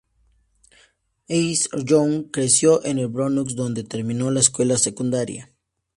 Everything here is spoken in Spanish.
Izzy Young creció en el Bronx, donde terminó la escuela secundaria.